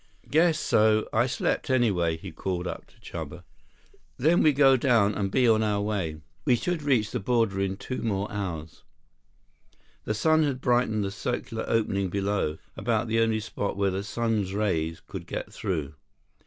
"Guess so. I slept, anyway," he called up to Chuba. "Then we go down, and be on our way. We should reach border in two more hours." The sun had brightened the circular opening below, about the only spot where the sun's rays could get through.